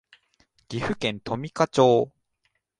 岐阜県富加町